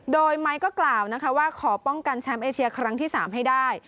โดยไมค์ก็กล่าวนะคะว่าขอป้องกันแชมป์เอเชียครั้งที่๓ให้ได้